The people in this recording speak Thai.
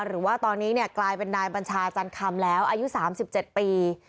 หรือว่าตอนนี้กลายเป็นนายบัญชาจันคำแล้วอายุ๓๗ปี